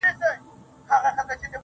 ځوان له ډيري ژړا وروسته څخه ريږدي,